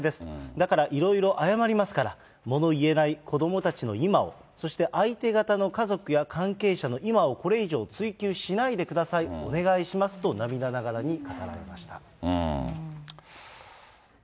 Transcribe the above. だから、いろいろ謝りますから、物言えない子どもたちの今を、そして相手方の家族や関係者の今をこれ以上追及しないでください、お願いしますと、涙ながらに語られました。